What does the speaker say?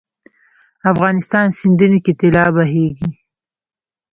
افغانستان سیندونو کې طلا بهیږي 😱